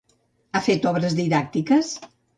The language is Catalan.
Ha fet obres didàctiques?